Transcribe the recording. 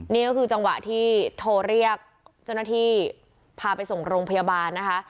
นี่ก็คือจังหวะที่โทรเรียกเจ้าหน้าที่พาไปส่งโรงพยาบาลนะคะ